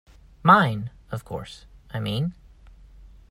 Mine, of course, I mean.